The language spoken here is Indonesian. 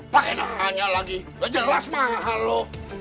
pakai nahannya lagi jelas mahal lo